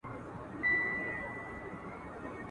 نور فکر ونه کړه له ذهنه څه باطله